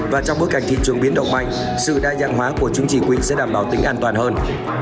và trong bối cảnh thị trường biến động mạnh sự đa dạng hóa của chứng chỉ quyên sẽ đảm bảo tính an toàn hơn